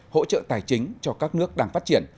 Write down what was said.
hỗ trợ tài chính cho các nước đang phát triển